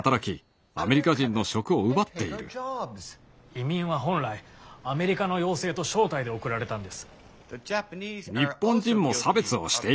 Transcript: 移民は本来アメリカの要請と招待で送られたんです。